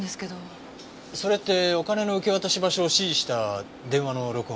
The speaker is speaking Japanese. それってお金の受け渡し場所を指示した電話の録音？